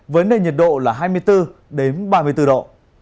với nền nhiệt độ là hai mươi bốn ba mươi bốn độ